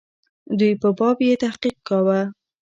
دوی په باب یې تحقیق کاوه.